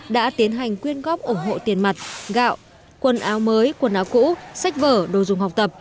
đã tiến hành quyên góp ủng hộ tiền mặt gạo quần áo mới quần áo cũ sách vở đồ dùng học tập